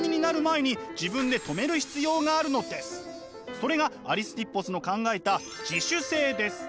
それがアリスティッポスの考えた「自主性」です。